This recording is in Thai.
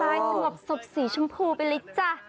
ล้างสวบสุขสีชมพูไปเลยจ้ะ